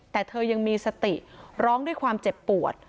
แต่เธอยังมีสติร้องด้วยความเจ็บปวด